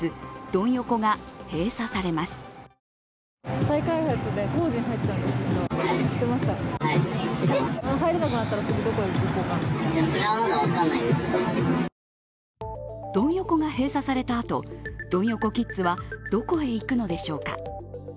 ドン横が閉鎖されたあとドン横キッズはどこに行くのでしょうか。